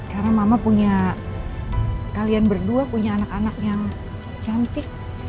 karena mama punya kalian berdua punya anak anak yang cantik